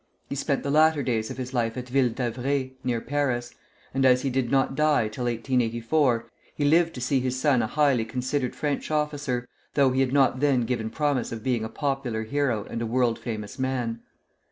He spent the latter days of his life at Ville d'Avray, near Paris; and as he did not die till 1884, he lived to see his son a highly considered French officer, though he had not then given promise of being a popular hero and a world famous man.